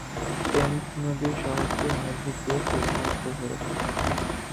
Thames নদী শহরটির মধ্য দিয়ে প্রবাহিত হয়েছে।